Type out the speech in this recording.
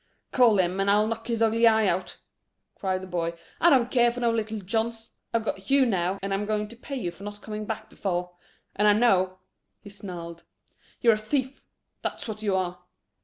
"Call him, and I'll knock his ugly old eye out," cried the boy. "I don't care for no Little Johns. I've got you now, and I'm going to pay you for not coming back before. And I know," he snarled, "you're a thief; that's what you are."